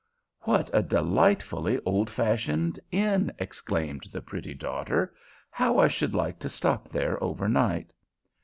"What a delightfully old fashioned inn!" exclaimed the pretty daughter. "How I should like to stop there over night!"